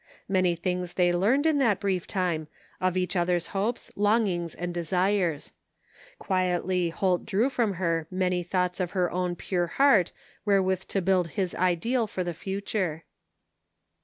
Many things they learned an that brief time, of each other's hopes, longings and desires. Quietly Holt drew from her many thoughts of her own pure heart where with to build his ideal for the future.